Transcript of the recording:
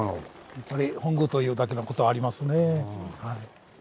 やっぱり本宮というだけのことはありますね。